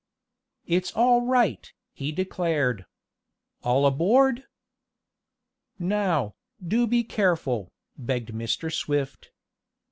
"It's all right," he declared. "All aboard!" "Now, do be careful," begged Mr. Swift.